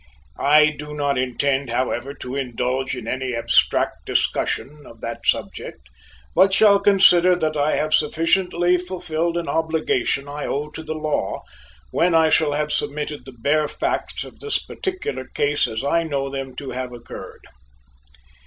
I do not intend, however, to indulge in any abstract discussion of that subject, but shall consider that I have sufficiently fulfilled an obligation I owe to the law when I shall have submitted the bare facts of this particular case as I know them to have occurred.